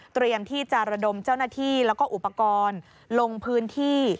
เตรียมที่จะระดมเจ้าหน้าที่แล้วก็อุปกรณ์ลงพื้นที่